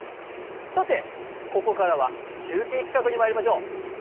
さてここからは中継企画にまいりましょう。